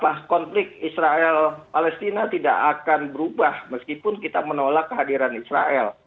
bahwa konflik israel palestina tidak akan berubah meskipun kita menolak kehadiran israel